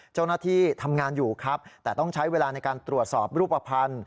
เจ้าหน้าที่ทำงานอยู่ครับแต่ต้องใช้เวลาในการตรวจสอบรูปภัณฑ์